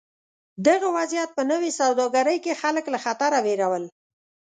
دغه وضعیت په نوې سوداګرۍ کې خلک له خطره وېرول.